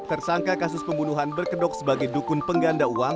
tersangka kasus pembunuhan berkedok sebagai dukun pengganda uang